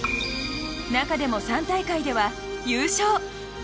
中でも３大会では、優勝！